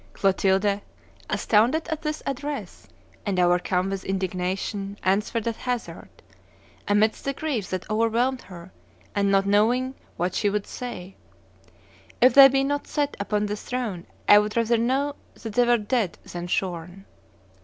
Clotilde, astounded at this address, and overcome with indignation, answered at hazard, amidst the grief that overwhelmed her, and not knowing what she would say, 'If they be not set upon the throne I would rather know that they were dead than shorn.